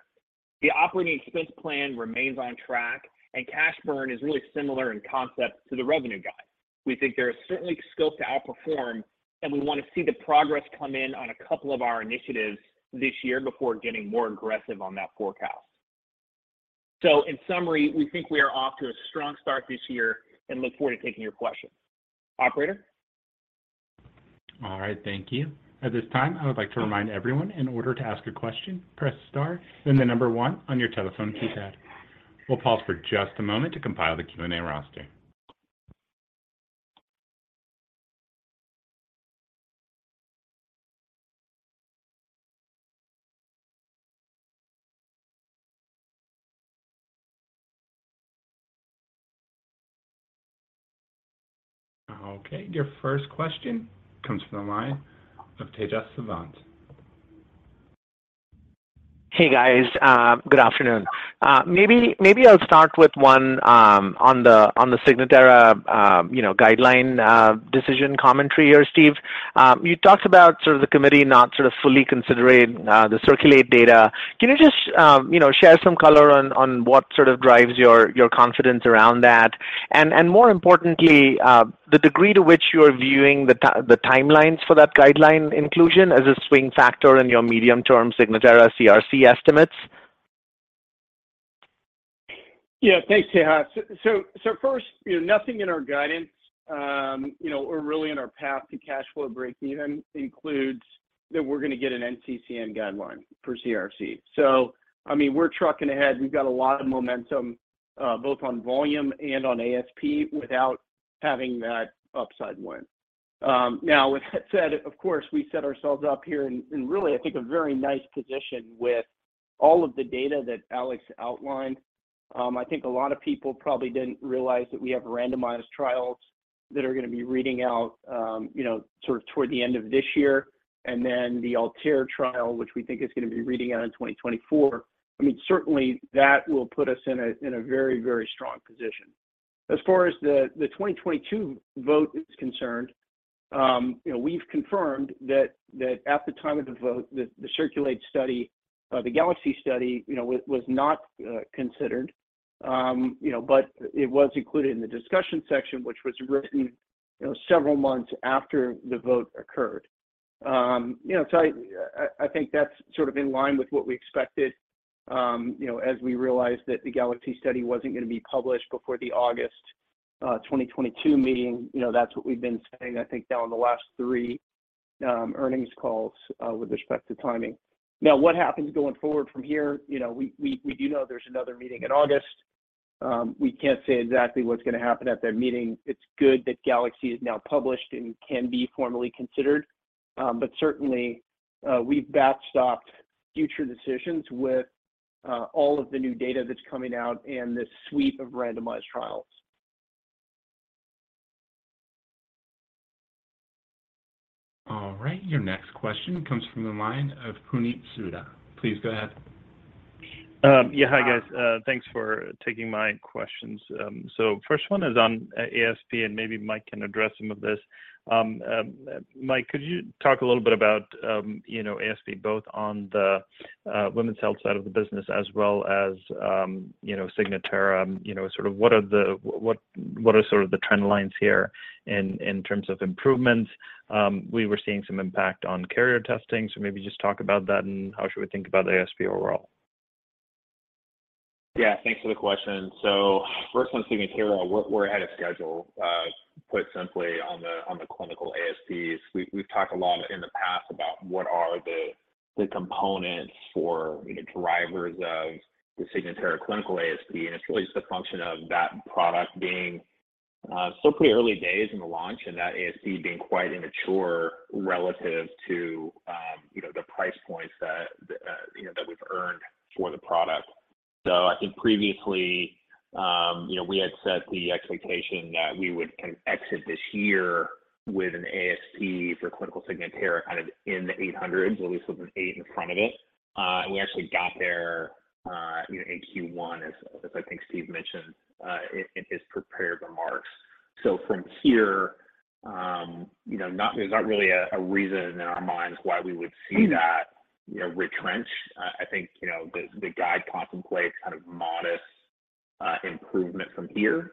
The operating expense plan remains on track, and cash burn is really similar in concept to the revenue guide. We think there is certainly scope to outperform, and we want to see the progress come in on a couple of our initiatives this year before getting more aggressive on that forecast. In summary, we think we are off to a strong start this year and look forward to taking your questions. Operator? All right. Thank you. At this time, I would like to remind everyone in order to ask a question, press star, then the number one on your telephone keypad. We'll pause for just a moment to compile the Q&A roster. Okay. Your first question comes from the line of Tejas Savant Hey, guys. Good afternoon. Maybe I'll start with one on the Signatera, you know, guideline decision commentary here, Steve. You talked about the committee not fully considering the CIRCULATE data. Can you just, you know, share some color on what sort of drives your confidence around that? More importantly, the degree to which you're viewing the timelines for that guideline inclusion as a swing factor in your medium-term Signatera CRC estimates? Yeah. Thanks, Tejas. first, you know, nothing in our guidance, you know, or really in our path to cash flow breakeven includes that we're going to get an NCCN guideline for CRC. I mean, we're trucking ahead. We've got a lot of momentum, both on volume and on ASP without having that upside win. Now with that said, of course, we set ourselves up here in really, I think, a very nice position with all of the data that Alex outlined. I think a lot of people probably didn't realize that we have randomized trials that are going to be reading out, you know, sort of toward the end of this year, and then the ALTAIR trial, which we think is going to be reading out in 2024. I mean, certainly that will put us in a very, very strong position. As far as the 2022 vote is concerned, you know, we've confirmed that at the time of the vote, the CIRCULATE-Japan study, the GALAXY study, you know, was not considered. You know, but it was included in the discussion section, which was written, you know, several months after the vote occurred. You know, so I think that's sort of in line with what we expected, you know, as we realized that the GALAXY study wasn't gonna be published before the August 2022 meeting. You know, that's what we've been saying, I think, now on the last three earnings calls with respect to timing. What happens going forward from here? You know, we do know there's another meeting in August. We can't say exactly what's gonna happen at that meeting. It's good that GALAXY is now published and can be formally considered. Certainly, we've backstopped future decisions with all of the new data that's coming out and this suite of randomized trials. All right. Your next question comes from the line of Puneet Souda. Please go ahead. Yeah. Hi, guys. Thanks for taking my questions. First one is on ASP, and maybe Mike can address some of this. Mike, could you talk a little bit about, you know, ASP both on the women's health side of the business as well as, you know, Signatera? You know, sort of what are sort of the trend lines here in terms of improvements? We were seeing some impact on carrier testing, so maybe just talk about that and how should we think about ASP overall. Yeah. Thanks for the question. First on Signatera, we're ahead of schedule, put simply on the clinical ASPs. We've talked a lot in the past about what are the components for, you know, drivers of the Signatera clinical ASP, and it's really just a function of that product being, still pretty early days in the launch and that ASP being quite immature relative to, you know, the price points that, you know, that we've earned for the product. I think previously, you know, we had set the expectation that we would kind of exit this year with an ASP for clinical Signatera kind of in the 800s, at least with an 8 in front of it. We actually got there, you know, in Q1 as I think Steve mentioned, in his prepared remarks. From here, you know, there's not really a reason in our minds why we would see that, you know, retrench. I think, you know, the guide contemplates kind of modest improvement from here.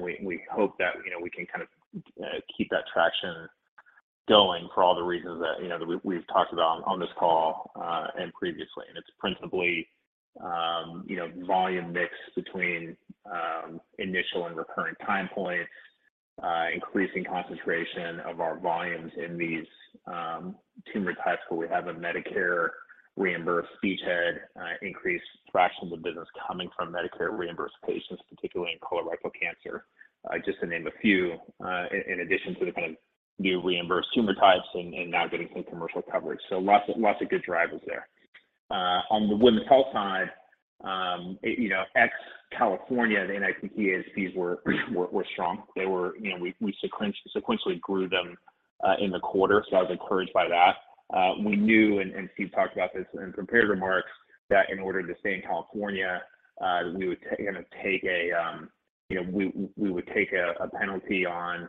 We hope that, you know, we can kind of keep that traction going for all the reasons that, you know, that we've talked about on this call, and previously. It's principally, you know, volume mix between initial and recurring time points, increasing concentration of our volumes in these tumor types where we have a Medicare-reimbursed feature, increased fractions of business coming from Medicare-reimbursed patients, particularly in colorectal cancer, just to name a few, in addition to the kind of new reimbursed tumor types and now getting some commercial coverage. Lots of good drivers there. On the women's health side, you know, ex California, the NIPT ASPs were strong. You know, we sequentially grew them in the quarter, so I was encouraged by that. We knew Steve talked about this in prepared remarks, that in order to stay in California, we would take a penalty on,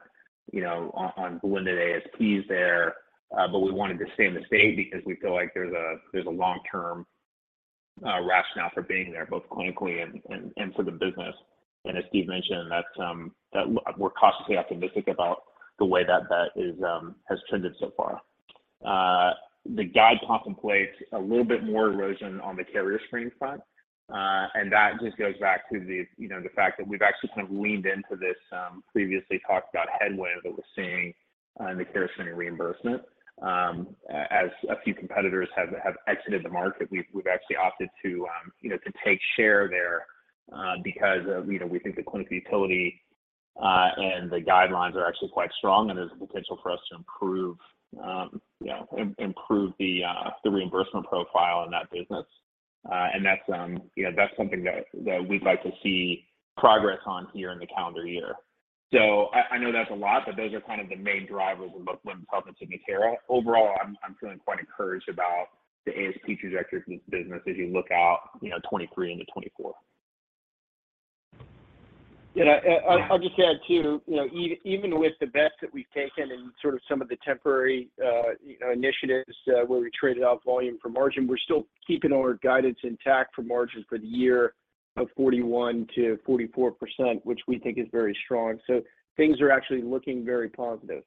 you know, on blended ASPs there. We wanted to stay in the state because we feel like there's a long-term rationale for being there both clinically and for the business. As Steve mentioned, that's that we're cautiously optimistic about the way that that is has trended so far. The guide contemplates a little bit more erosion on the carrier screen front. That just goes back to the, you know, the fact that we've actually kind of leaned into this previously talked about headwind that we're seeing in the carrier screening reimbursement. As a few competitors have exited the market, we've actually opted to, you know, to take share there because, you know, we think the clinical utility and the guidelines are actually quite strong, and there's a potential for us to improve, you know, improve the reimbursement profile in that business. That's, you know, that's something that we'd like to see progress on here in the calendar year. I know that's a lot, but those are kind of the main drivers of both Lynparza and Signatera. Overall, I'm feeling quite encouraged about the ASP trajectory for this business as you look out, you know, 2023 into 2024. I'll just add too, you know, even with the bets that we've taken and sort of some of the temporary, you know, initiatives, where we traded off volume for margin, we're still keeping our guidance intact for margins for the year of 41%-44%, which we think is very strong. Things are actually looking very positive.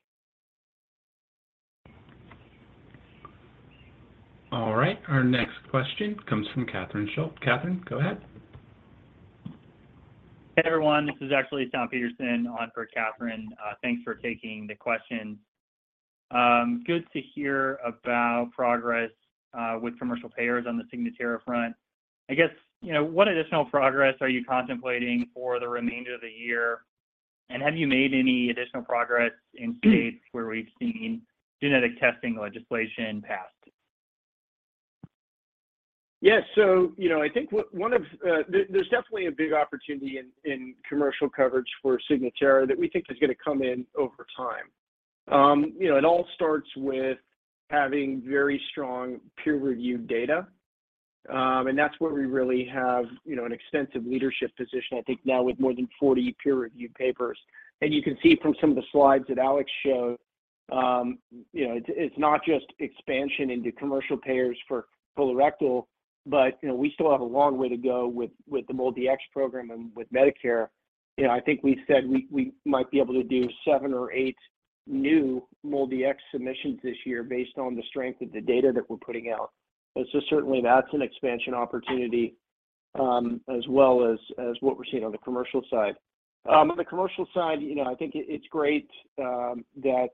All right, our next question comes from Catherine Schulte. Catherine, go ahead. Hey everyone, this is actually Tom Peterson on for Catherine. Thanks for taking the question. Good to hear about the progress with commercial payers on the Signatera front. I guess, what additional progress are you contemplating for the remainder of the year? And have you made any additional progress in states where we've seen genetic testing legislation passed? Yes, you know, I think there's definitely a big opportunity in commercial coverage for Signatera that we think is gonna come in over time. You know, it all starts with having very strong peer-reviewed data. That's where we really have, you know, an extensive leadership position, I think now with more than 40 peer-reviewed papers. You can see from some of the slides that Alex showed, you know, it's not just expansion into commercial payers for colorectal, but, you know, we still have a long way to go with the MolDX program and with Medicare. You know, I think we said we might be able to do 7 or 8 new MolDX submissions this year based on the strength of the data that we're putting out. Certainly that's an expansion opportunity, as well as what we're seeing on the commercial side. On the commercial side, you know, I think it's great that,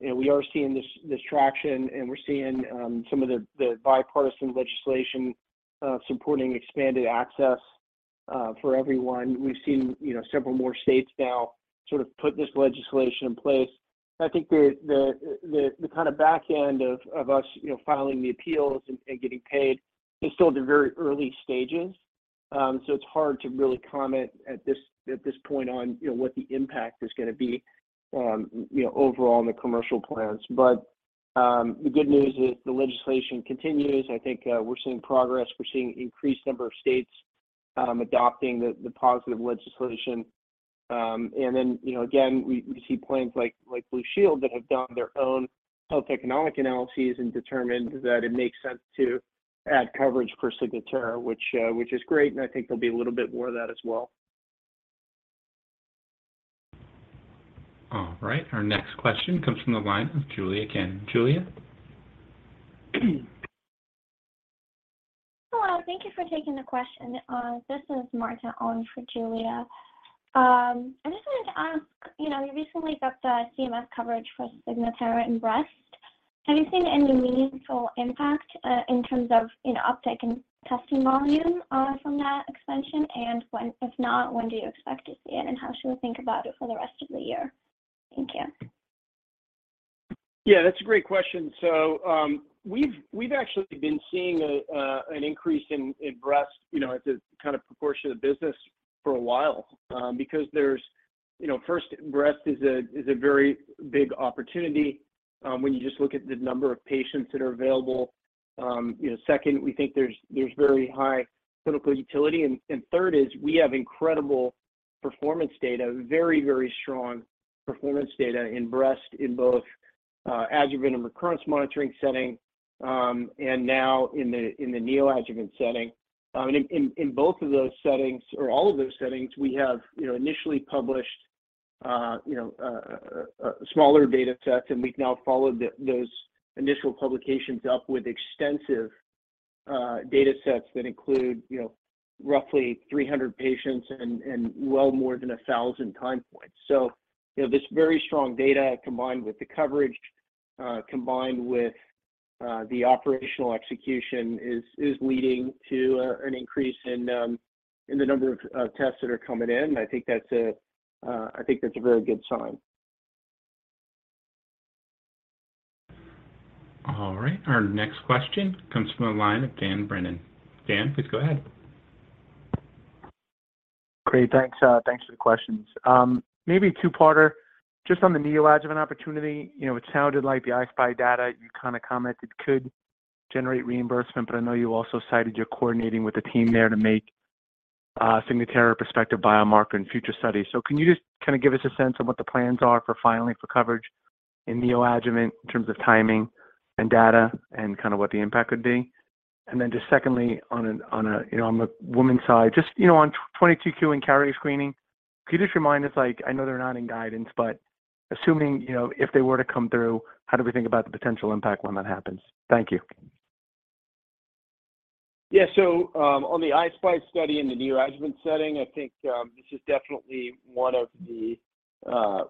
you know, we are seeing this traction, and we're seeing some of the bipartisan legislation supporting expanded access for everyone. We've seen, you know, several more states now sort of put this legislation in place. I think the kind of back end of us, you know, filing the appeals and getting paid is still at the very early stages. It's hard to really comment at this point on, you know, what the impact is gonna be, you know, overall on the commercial plans. The good news is the legislation continues. I think we're seeing progress. We're seeing increased number of states, adopting the positive legislation. You know, again, we see plans like Blue Shield that have done their own health economic analyses and determined that it makes sense to add coverage for Signatera, which is great, and I think there'll be a little bit more of that as well. All right. Our next question comes from the line of Julia Kim. Julia? Hello. Thank you for taking the question. This is Marta on for Julia. I just wanted to ask, you know, you recently got the CMS coverage for Signatera in breast. Have you seen any meaningful impact, in terms of, you know, uptick in testing volume, from that expansion? If not, when do you expect to see it, and how should we think about it for the rest of the year? Thank you. Yeah, that's a great question. We've actually been seeing an increase in breast, you know, as a kind of proportion of business for a while, because there's. You know, first, breast is a very big opportunity when you just look at the number of patients that are available. You know, second, we think there's very high clinical utility. Third is we have incredible performance data, very strong performance data in breast in both adjuvant and recurrence monitoring setting, and now in the neoadjuvant setting. In both of those settings or all of those settings, we have, you know, initially published, you know, smaller data sets, and we've now followed those initial publications up with extensive data sets that include, you know, roughly 300 patients and well more than 1,000 time points. This very strong data combined with the coverage, combined with the operational execution is leading to an increase in the number of tests that are coming in. I think that's a very good sign. All right. Our next question comes from the line of Dan Brennan. Dan, please go ahead. Great. Thanks, thanks for the questions. Maybe a two-parter just on the neoadjuvant opportunity. You know, it sounded like the I-SPY data you kind of commented could generate reimbursement, but I know you also cited you're coordinating with the team there to make Signatera prospective biomarker in future studies. Can you just kind of give us a sense of what the plans are for filing for coverage in neoadjuvant in terms of timing and data and kind of what the impact would be? Just secondly, on a, on a, you know, on the women's side, just, you know, on 22q and carrier screening, could you just remind us, like I know they're not in guidance, but assuming, you know, if they were to come through, how do we think about the potential impact when that happens? Thank you. Yeah. on the I-SPY 2 study in the neoadjuvant setting, I think, this is definitely one of the,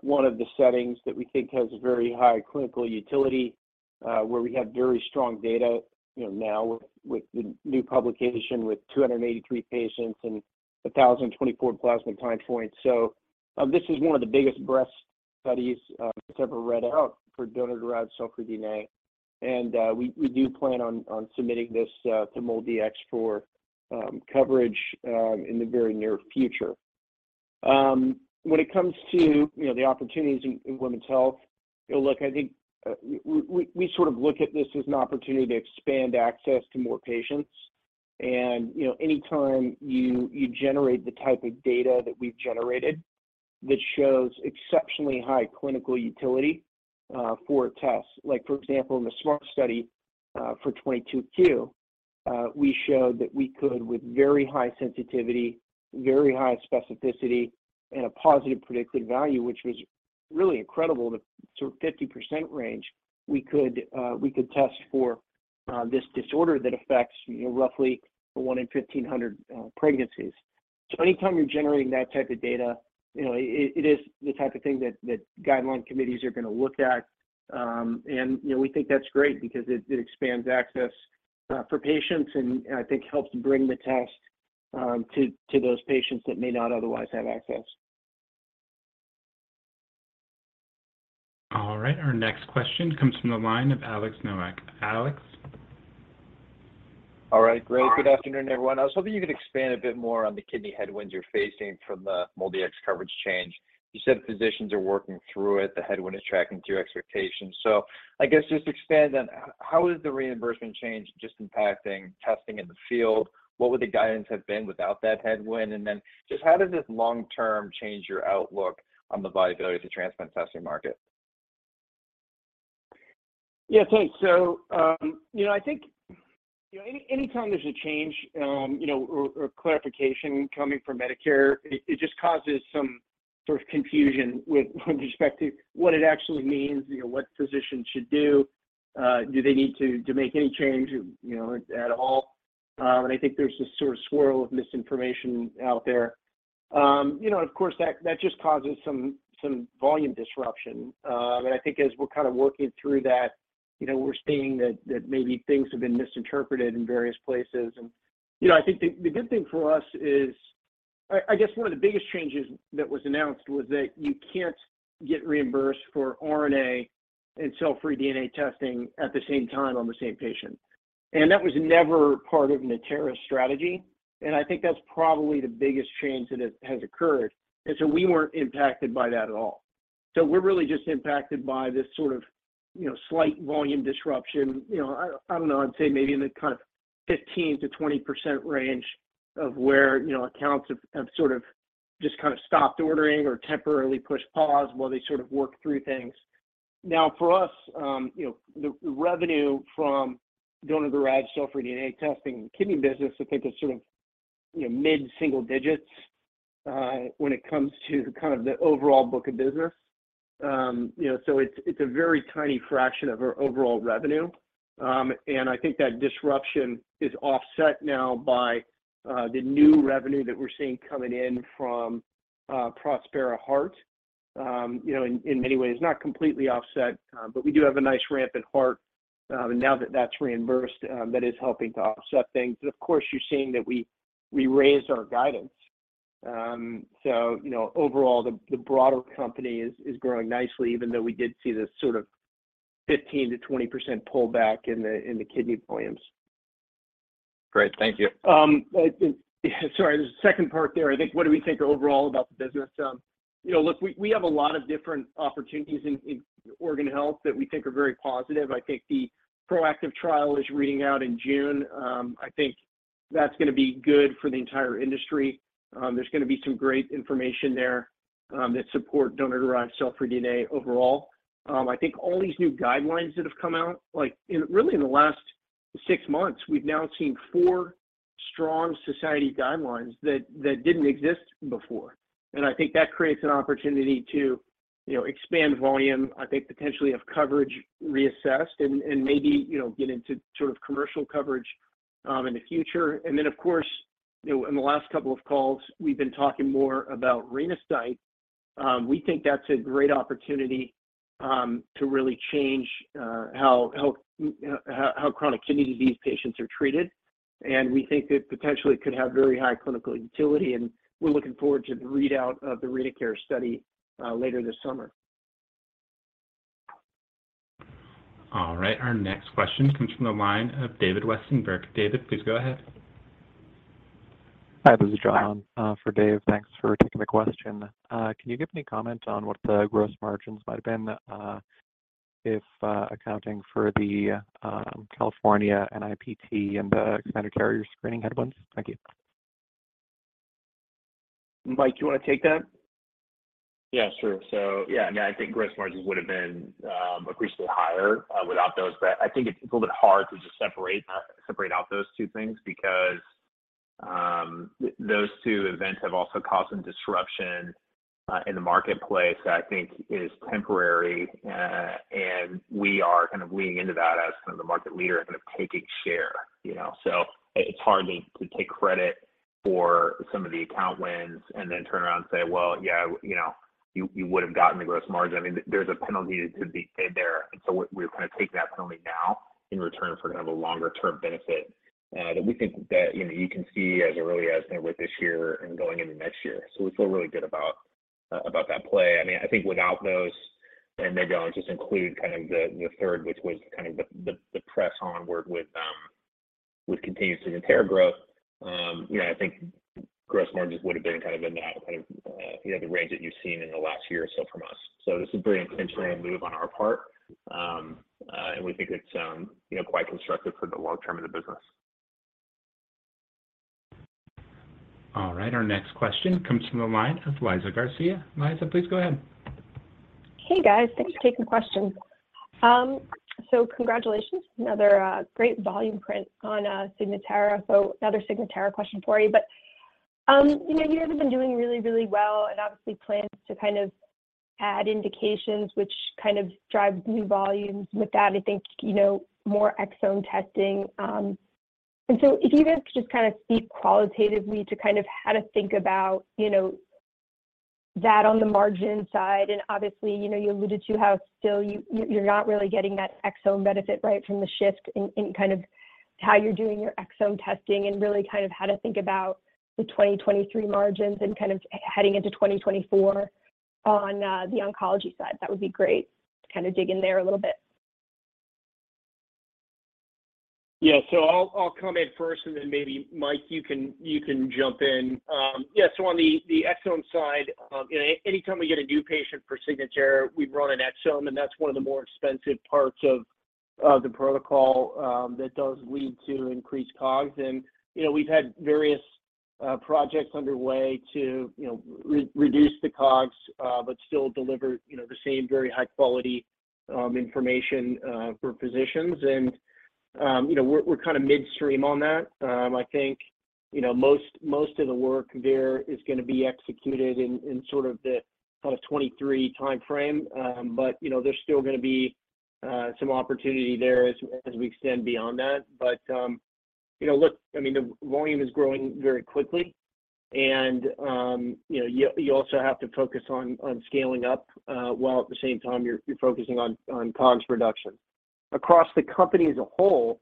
one of the settings that we think has very high clinical utility, where we have very strong data, you know, now with the new publication with 283 patients and 1,024 plasma time points. This is one of the biggest breast studies that's ever read out for Signatera. We do plan on submitting this to MolDX for coverage in the very near future. When it comes to, you know, the opportunities in women's health, you know, look, I think, we sort of look at this as an opportunity to expand access to more patients. You know, anytime you generate the type of data that we've generated that shows exceptionally high clinical utility for a test, like for example, in the SMART study, for 22q, we showed that we could with very high sensitivity, very high specificity, and a positive predictive value, which was really incredible, the sort of 50% range, we could test for this disorder that affects, you know, roughly 1 in 1,500 pregnancies. Anytime you're generating that type of data, you know, it is the type of thing that guideline committees are gonna look at. You know, we think that's great because it expands access for patients and I think helps bring the test to those patients that may not otherwise have access. All right. Our next question comes from the line of Alex Nowak. Alex? All right. Great. Good afternoon, everyone. I was hoping you could expand a bit more on the kidney headwinds you're facing from the MolDX coverage change. You said physicians are working through it, the headwind is tracking to your expectations. I guess just expand on how is the reimbursement change just impacting testing in the field? What would the guidance have been without that headwind? Just how does this long term change your outlook on the viability of the transplant testing market? Yeah. Thanks. You know, I think, you know, anytime there's a change, you know, or clarification coming from Medicare, it just causes some sort of confusion with respect to what it actually means, you know, what physicians should do they need to make any change, you know, at all. I think there's this sort of swirl of misinformation out there. You know, of course, that just causes some volume disruption. I think as we're kind of working through that, you know, we're seeing that maybe things have been misinterpreted in various places. You know, I think the good thing for us is... I guess one of the biggest changes that was announced was that you can't get reimbursed for RNA and cell-free DNA testing at the same time on the same patient. That was never part of Natera's strategy, and I think that's probably the biggest change that has occurred. We weren't impacted by that at all. We're really just impacted by this sort of, you know, slight volume disruption. You know, I don't know, I'd say maybe in the kind of 15%-20% range of where, you know, accounts have sort of just kind of stopped ordering or temporarily pushed pause while they sort of work through things. Now for us, you know, the revenue from donor-derived cell-free DNA testing in the kidney business, I think is sort of, you know, mid-single digits when it comes to kind of the overall book of business. You know, it's a very tiny fraction of our overall revenue. I think that disruption is offset now by the new revenue that we're seeing coming in from Prospera Heart, you know, in many ways, not completely offset. We do have a nice ramp at Heart. Now that that's reimbursed, that is helping to offset things. Of course, you're seeing that we raised our guidance. You know, overall the broader company is growing nicely even though we did see this sort of 15%-20% pullback in the kidney volumes. Great. Thank you. I think Sorry, there's a second part there, I think what do we think overall about the business? you know, look, we have a lot of different opportunities in organ health that we think are very positive. I think the ProActive trial is reading out in June. I think that's gonna be good for the entire industry. there's gonna be some great information there that support donor-derived cell-free DNA overall. I think all these new guidelines that have come out, like in really in the last 6 months, we've now seen 4 strong society guidelines that didn't exist before. I think that creates an opportunity to, you know, expand volume, I think potentially have coverage reassessed and maybe, you know, get into sort of commercial coverage in the future. Of course, you know, in the last couple of calls we've been talking more about Renasight. We think that's a great opportunity to really change how chronic kidney disease patients are treated, and we think that potentially could have very high clinical utility, and we're looking forward to the readout of the RenaCARE study later this summer. All right, our next question comes from the line of David Westenberg. David, please go ahead. Hi, this is John for Dave. Thanks for taking the question. Can you give any comment on what the gross margins might have been if accounting for the California NIPT and the expanded carrier screening headwinds? Thank you. Mike, do you wanna take that? Yeah, sure. Yeah, I mean, I think gross margins would've been appreciably higher without those, but I think it's a little bit hard to just separate out those two things because those two events have also caused some disruption in the marketplace that I think is temporary. We are kind of leaning into that as some of the market leader kind of taking share, you know? It's hard to take credit for some of the account wins and then turn around and say, "Well, yeah, you know, you would've gotten the gross margin." I mean, there's a penalty to be paid there. We kind of take that penalty now in return for kind of a longer term benefit, that we think that, you know, you can see as early as, you know, with this year and going into next year. We feel really good about. About that play. I mean, I think without those, and maybe I'll just include kind of the third, which was kind of the press onward with continuous genetic testing growth, you know, I think gross margins would have been kind of in that, you know, the range that you've seen in the last year or so from us. This is very intentionally a move on our part, and we think it's, you know, quite constructive for the long term in the business. All right, our next question comes from the line of Lisa Garcia. Liza, please go ahead. Hey, guys. Thanks for taking the question. Congratulations. Another great volume print on Signatera. Another Signatera question for you. You know, you guys have been doing really, really well and obviously plans to kind of add indications which kind of drive new volumes. With that, I think, you know, more exome testing. If you could just kind of speak qualitatively to kind of how to think about, you know, that on the margin side, and obviously, you know, you alluded to how still you're not really getting that exome benefit right from the shift in kind of how you're doing your exome testing and really kind of how to think about the 2023 margins and kind of heading into 2024 on the oncology side. That would be great to kind of dig in there a little bit. Yeah. I'll come in first and then maybe Mike Brophy, you can jump in. Yeah. On the exome side, anytime we get a new patient for Signatera, we run an exome, and that's one of the more expensive parts of the protocol, that does lead to increased COGS. You know, we've had various projects underway to, you know, re-reduce the COGS, still deliver, you know, the same very high quality information for physicians. You know, we're kind of midstream on that. I think, you know, most of the work there is gonna be executed in sort of the kind of 2023 time frame. You know, there's still gonna be some opportunity there as we extend beyond that. You know, look, I mean, the volume is growing very quickly, you also have to focus on COGS reduction. Across the company as a whole,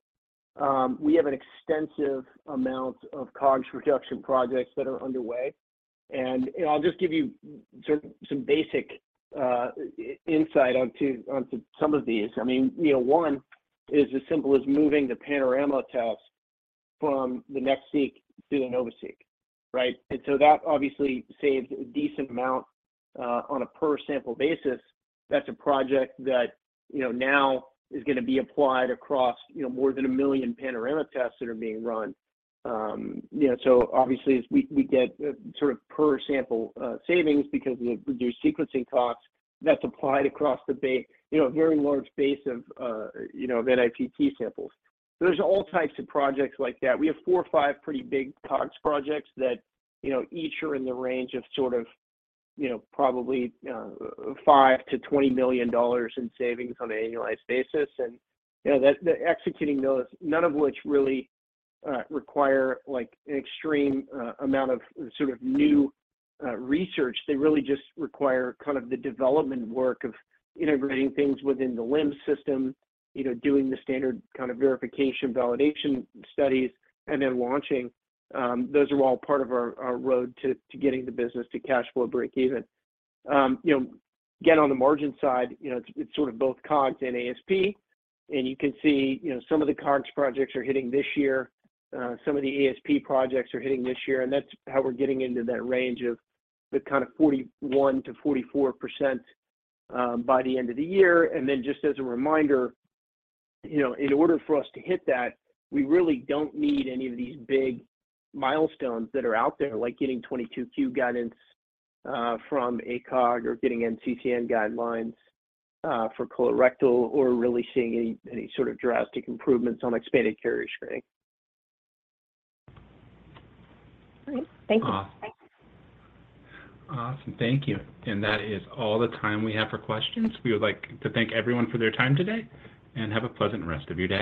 we have an extensive amount of COGS reduction projects that are underway. I'll just give you sort of some basic insight onto some of these. I mean, you know, one is as simple as moving the Panorama tests from the NextSeq to the NovaSeq, right? That obviously saves a decent amount on a per sample basis. That's a project that, you know, now is gonna be applied across, you know, more than 1 million Panorama tests that are being run. Obviously as we get per sample savings because of the reduced sequencing costs, that's applied across the very large base of NIPT samples. There's all types of projects like that. We have 4 or 5 pretty big COGS projects that each are in the range of probably $5 million-$20 million in savings on an annualized basis. Executing those, none of which really require like an extreme amount of new research. They really just require kind of the development work of integrating things within the LIMS system, doing the standard kind of verification, validation studies, and then launching. Those are all part of our road to getting the business to cash flow break even. You know, again, on the margin side, you know, it's sort of both COGS and ASP. You can see, you know, some of the COGS projects are hitting this year, some of the ASP projects are hitting this year, and that's how we're getting into that range of the kind of 41%-44% by the end of the year. Then just as a reminder, you know, in order for us to hit that, we really don't need any of these big milestones that are out there, like getting 22q guidance from ACOG or getting NCCN guidelines for colorectal or really seeing any sort of drastic improvements on expanded carrier screening. All right. Thank you. Awesome. Thank you. That is all the time we have for questions. We would like to thank everyone for their time today, and have a pleasant rest of your day.